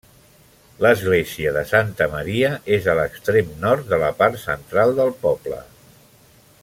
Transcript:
L'església de Santa Maria és a l'extrem nord de la part central del poble.